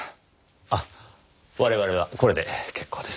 あっ我々はこれで結構です。